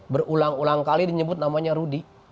berulang ulang kali di nyebut namanya rudi